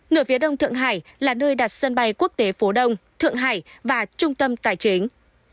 nửa phía đông thượng hải là nơi đặt sân bay quốc tế phố đông thượng hải và trung tâm tài chính